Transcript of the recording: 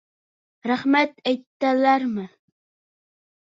Рәхмәт әйттеләрме?